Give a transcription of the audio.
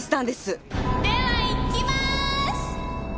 ではいきます！